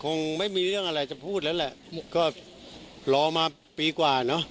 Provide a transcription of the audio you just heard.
คงไม่มีเรื่องอะไรจะพูดแล้วแหละก็รอมาปีกว่าเนอะ